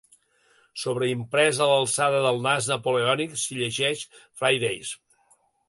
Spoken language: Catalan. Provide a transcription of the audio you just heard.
Sobreimprès a l'alçada del nas napoleònic s'hi llegeix «Fridays.